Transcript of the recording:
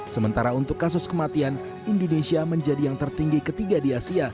sementara untuk kasus kematian indonesia menjadi yang tertinggi ketiga di asia